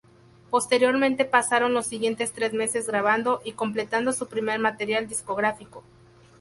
Posteriormente pasaron los siguientes tres meses grabando y completando su primer material discográfico.